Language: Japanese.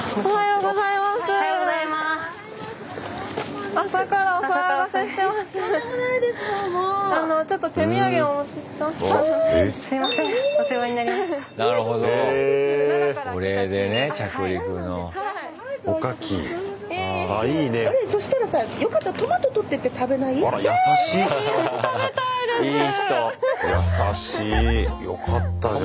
よかったじゃん。